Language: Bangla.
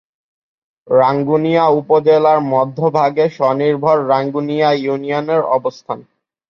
রাঙ্গুনিয়া উপজেলার মধ্যভাগে স্বনির্ভর রাঙ্গুনিয়া ইউনিয়নের অবস্থান।